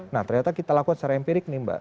nah ternyata kita lakukan secara empirik nih mbak